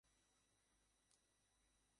ভাবাবেগ অনেক সময়ই আমাদিগকে পশুস্তরে নামাইয়া আনে।